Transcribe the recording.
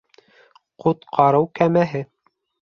Ҡотҡарыу кәмәһе